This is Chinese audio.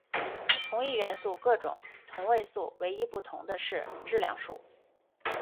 同一元素各种同位素唯一不同的是质量数。